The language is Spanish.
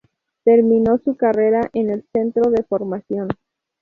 Terminó su carrera en el centro de formación.